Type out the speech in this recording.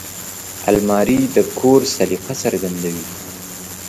الماري د کور سلیقه څرګندوي